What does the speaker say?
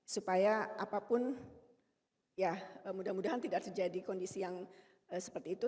supaya apapun ya mudah mudahan tidak terjadi kondisi yang seperti itu